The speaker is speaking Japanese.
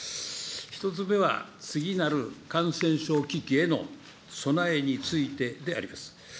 １つ目は、次なる感染症危機への備えについてであります。